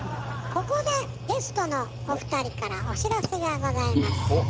ここでゲストのお二人からお知らせがございます。